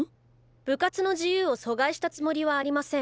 部活の自由を阻害したつもりはありません。